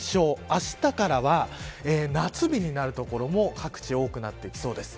あしたからは夏日になる所も各地、多くなってきそうです。